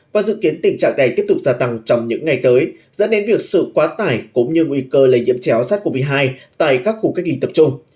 và dự kiến tình trạng này tiếp tục gia tăng trong những ngày tới dẫn đến việc sự quá tải cũng như nguy cơ lây nhiễm chéo sát covid một mươi chín tại các khu cách ly tập trung